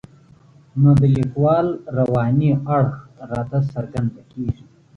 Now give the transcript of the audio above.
نو د لیکوال رواني اړخ راته څرګندېږي.